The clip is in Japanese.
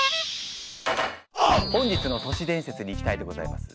本日の年伝説にいきたいでございます。